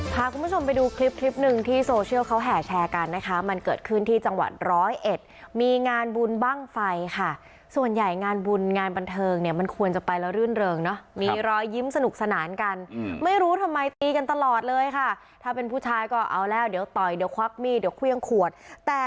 พาคุณผู้ชมไปดูคลิปคลิปหนึ่งที่โซเชียลเขาแห่แชร์กันนะคะมันเกิดขึ้นที่จังหวัดร้อยเอ็ดมีงานบุญบ้างไฟค่ะส่วนใหญ่งานบุญงานบันเทิงเนี่ยมันควรจะไปแล้วรื่นเริงเนอะมีรอยยิ้มสนุกสนานกันไม่รู้ทำไมตีกันตลอดเลยค่ะถ้าเป็นผู้ชายก็เอาแล้วเดี๋ยวต่อยเดี๋ยวควักมีดเดี๋ยวเครื่องขวดแต่